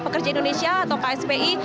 pekerja indonesia atau kspi